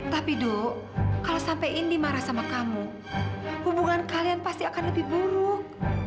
tapi du kalau sampe indi marah sama kamu hubungan kalian pasti akan lebih buruk